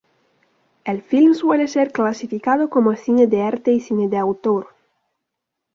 El film suele ser clasificado como cine de arte y cine de autor.